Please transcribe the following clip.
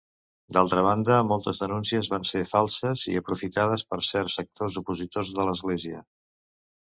D'altra banda, moltes denúncies van ser falses, i aprofitades per certs sectors opositors de l'Església.